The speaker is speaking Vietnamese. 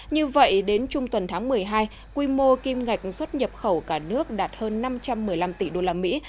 như vậy đến trung tuần tháng một mươi hai quy mô kim ngạch xuất nhập khẩu cả nước đạt hơn năm trăm một mươi năm tỷ đô la mỹ